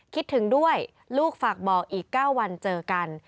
คิดถึงด้วยลูกฝากบอกอีก๙วันเจอกัน